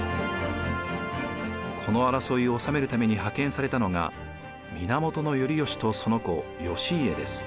この争いを収めるために派遣されたのが源頼義とその子義家です。